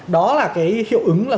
đó là cái hiệu ứng là